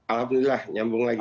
alhamdulillah nyambung lagi